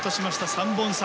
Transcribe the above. ３本差。